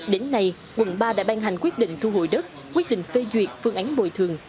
đến nay quận ba đã ban hành quyết định thu hồi đất quyết định phê duyệt phương án bồi thường